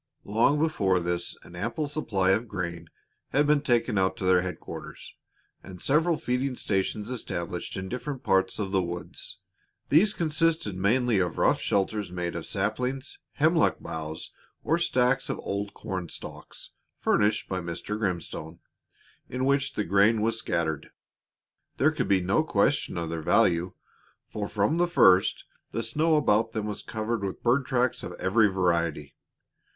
Long before this an ample supply of grain had been taken out to their headquarters and several feeding stations established in different parts of the woods. These consisted mainly of rough shelters made of saplings, hemlock boughs, or stacks of old corn stalks, furnished by Mr. Grimstone, in which the grain was scattered. There could be no question of their value, for from the first the snow about them was covered with bird tracks of every variety.